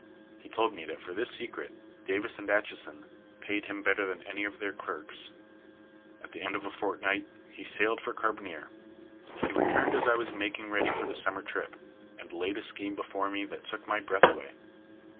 He told me that for this secret Davis and Atchison paid him better than any of their clerks. "At the end of a fortnight he sailed for Carbonear. He returned as I was making ready for the summer trip, and laid a scheme before me that took my breath away.